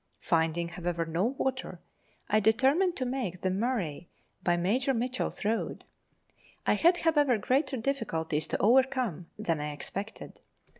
Finding, however, no water, I determined to make the Murray by Major Mitchell's road. I had, however, greater difficulties to overcome than I expected.